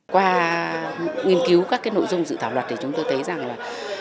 qua nghiên cứu các nội dung dự thảo luật thì chúng tôi thấy rằng là